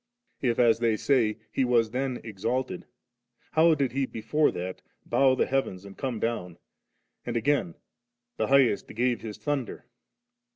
If, as they say, He was then exalted, how did He before that 'bow die heavens and come down;' and again, *Tbe Highest gave His thunder *■?'